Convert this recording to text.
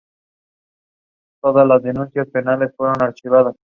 vosotras no habréis bebido